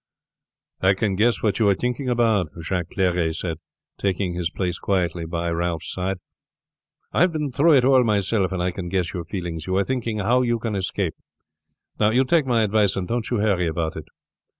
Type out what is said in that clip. "I can guess what you are thinking about," Jacques Clery said, taking his place quietly by his side. "I have been through it all myself and I can guess your feelings. You are thinking how you can escape. Now, you take my advice and don't you hurry about it.